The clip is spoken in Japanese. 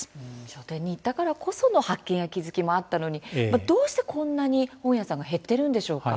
書店に行ったからこその発見や気付きもあったのにどうしてこんなに本屋さんが減っているんでしょうか。